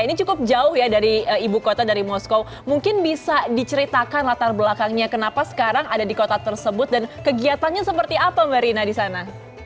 ini cukup jauh ya dari ibu kota dari moskow mungkin bisa diceritakan latar belakangnya kenapa sekarang ada di kota tersebut dan kegiatannya seperti apa mbak rina di sana